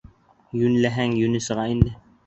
Йүнләһәң, йүне сыға инде.